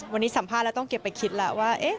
วันนี้สัมภาษณ์แล้วต้องเก็บไปคิดแล้วว่า